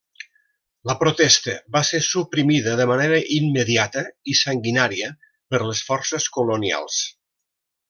La protesta va ser suprimida de manera immediata i sanguinària per les forces colonials.